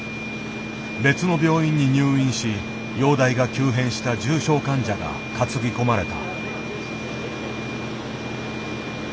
別の病院に入院し容体が急変した重症患者が担ぎ込まれた。